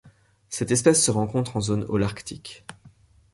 Cette espèce se rencontre en zone Holarctique.